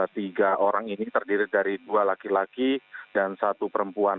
tiga orang ini terdiri dari dua laki laki dan satu perempuan